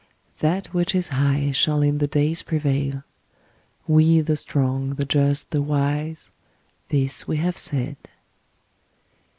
That which is high shall in the days prevail. We the strong, the just, the wise, this we have said!'